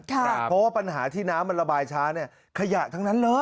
เพราะว่าปัญหาที่น้ำมันระบายช้าเนี่ยขยะทั้งนั้นเลย